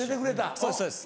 そうですそうです。